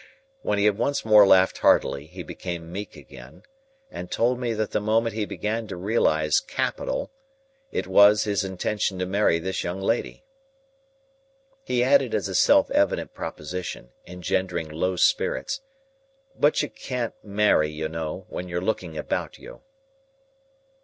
When he had once more laughed heartily, he became meek again, and told me that the moment he began to realise Capital, it was his intention to marry this young lady. He added as a self evident proposition, engendering low spirits, "But you can't marry, you know, while you're looking about you."